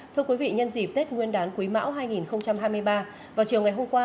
thưa quý vị nhân dịp tết nguyên đán quý mão hai nghìn hai mươi ba vào chiều ngày hôm qua